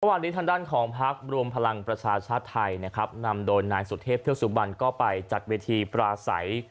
เมื่อวานนี้ทางด้านของภาครวมพลังประชาชนชาติไทยนำโดนนายสุธเทพธิวสุบันก็ไปจากเวทีปลาใส